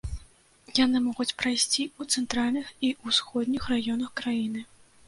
Яны могуць прайсці ў цэнтральных і ўсходніх раёнах краіны.